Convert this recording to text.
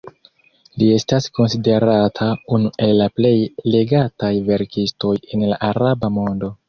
Li estas konsiderata unu el la plej legataj verkistoj en la araba mondo.